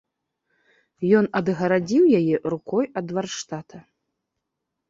Ён адгарадзіў яе рукой ад варштата.